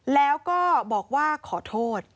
แล้วก็บอกว่าขอโทษ